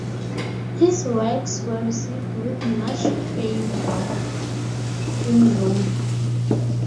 His works were received with much favor in Rome.